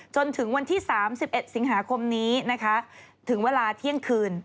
จนถึงวันที่๓๑สิงหาคมนี้นะคะถึงเวลาเที่ยงคืน